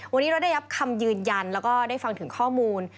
วันนี้เราได้รับคำยืนยันแล้วก็ได้ฟังถึงข้อมูล